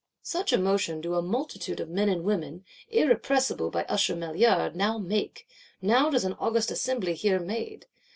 Such motion do "a multitude of men and women," irrepressible by Usher Maillard, now make; does an august Assembly hear made.